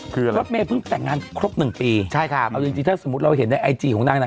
คือรถเมย์เพิ่งแต่งงานครบหนึ่งปีใช่ครับเอาจริงจริงถ้าสมมุติเราเห็นในไอจีของนางนาง